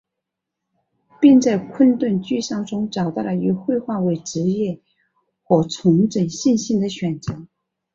并在困顿沮丧中找到了以绘画为职业和重振信心的选择。